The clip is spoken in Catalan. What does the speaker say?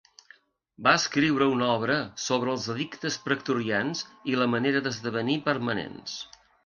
Va escriure una obra sobre els edictes pretorians i la manera d'esdevenir permanents.